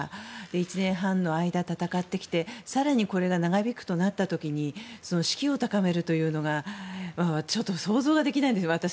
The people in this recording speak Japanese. １年半の間、戦ってきて更にこれが長引くとなった時に士気を高めるというのが想像ができないですよね。